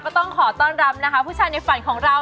ต้องขอต้อนรับนะคะผู้ชายในฝันของเรา